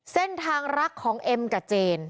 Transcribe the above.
เส้นทางรักของเอ็มกับเจน